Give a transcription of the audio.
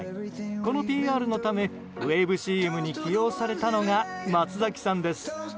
このＰＲのためウェブＣＭに起用されたのが松崎さんです。